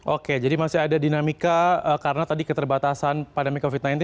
oke jadi masih ada dinamika karena tadi keterbatasan pandemi covid sembilan belas